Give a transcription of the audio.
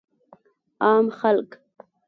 عام خلک